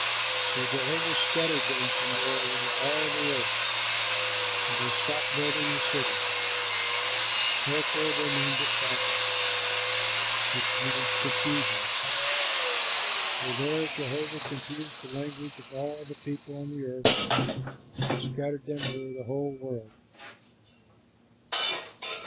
So Jehovah scattered them from there over all the earth; and they stopped building the city. Therefore they named it Babel, which means Confusion, for there Jehovah confused the language of all the people on the earth and scattered them over the whole world.